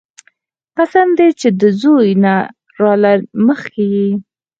قسم دې چې د زوى نه راله مخكې يې.